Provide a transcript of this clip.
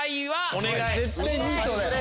お願い！